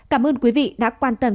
cảm ơn quý vị đã quan tâm